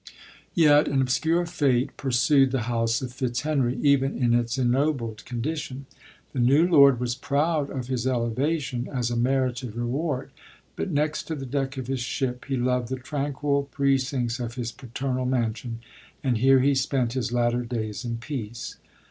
Yet an obscure fate pursued the house of Fit/henry, even in its ennobled condition. The new lord was proud of his elevation, as a merited reward ; but next to the deck of Iris ship, he loved the tranquil precincts of his paternal man sion, and here he spent his latter days in peace.